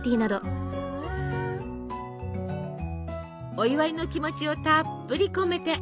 お祝いの気持ちをたっぷり込めて。